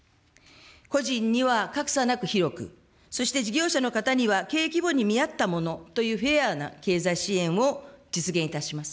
個人には格差なく広く、そして事業者の方には経営規模に見合ったものというフェアな経済支援を実現いたします。